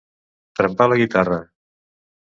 Trempar la guitarra.